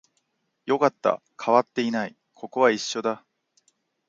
よかった、変わっていない、ここは一緒だ